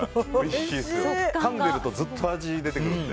かんでるとずっと味が出てくるので。